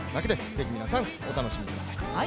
ぜひ、皆さんお楽しみください。